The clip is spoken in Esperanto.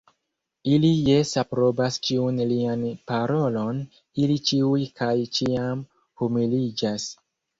Ili jese aprobas ĉiun lian parolon, ili ĉiuj kaj ĉiam humiliĝas!